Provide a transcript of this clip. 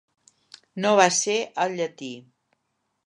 No va ser el llatí.